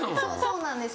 そうなんです。